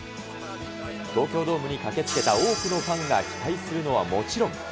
東京ドームに駆けつけた多くのファンが期待するのはもちろん。